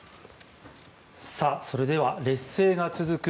それでは劣勢が続く